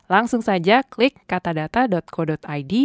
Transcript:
langsung saja klik katadata co id